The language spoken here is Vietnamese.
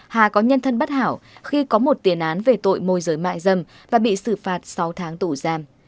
hà có nhân thân bất hảo khi có một tiền án về tội môi giới mại dâm và bị xử phạt sáu tháng tù giam